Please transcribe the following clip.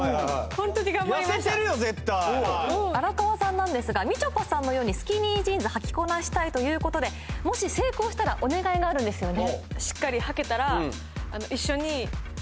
ホントに頑張りました痩せてるよ絶対荒川さんなんですがみちょぱさんのようにスキニージーンズをはきこなしたいということでもし成功したらお願いがあるんですよね？